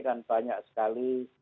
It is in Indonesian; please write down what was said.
kan banyak sekali